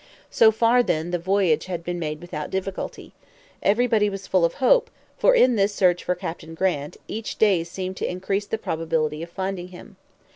So far, then, the voyage had been made without difficulty. Everybody was full of hope, for in this search for Captain Grant, each day seemed to increase the probability of finding him.